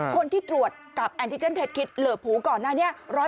คนที่ตรวจกับแอนติเจ็มเทศคิดเหลือผูก่อนนั้น